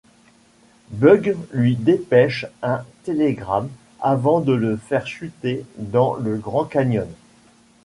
Bugs lui dépêche un télégramme avant de le faire chuter dans le Grand Canyon.